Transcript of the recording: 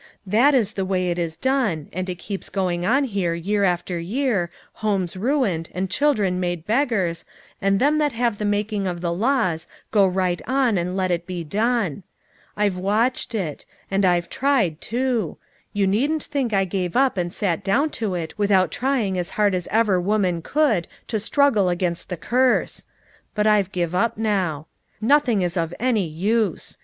That is the way it is done, and it keeps going on here year after year, homes ruined, and children made beggars, and them that have the making of the laws, go right on and let it be done. I've watched it. And I've tried, too. You needn't think I gave up and sat down to it without trying as hard as ever woman could to struggle against the curse ; but I've give up now. Nothing is of any use.